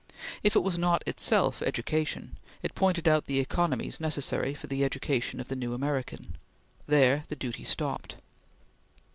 If it was not itself education, it pointed out the economies necessary for the education of the new American. There, the duty stopped.